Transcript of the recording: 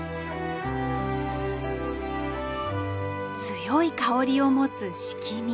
強い香りを持つシキミ。